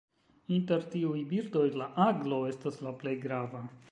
Inter tiuj birdoj la aglo estas la plej grava.